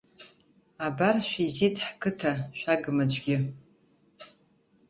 Абар шәеизеит ҳқыҭа, шәагым аӡәгьы.